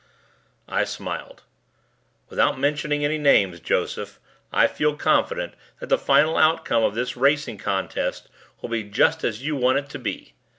I smiled. "Without mentioning any names, Joseph, I feel confident that the final outcome of this racing contest will be just as you want it to be.